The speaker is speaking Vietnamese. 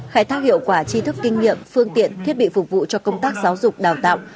khai thác hiệu quả chi thức kinh nghiệm phương tiện thiết bị phục vụ cho công tác giáo dục đào tạo